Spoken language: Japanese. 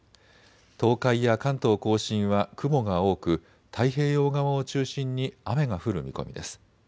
東海や関東甲信は雲が多く太平洋側を中心に雨が降る見込みです。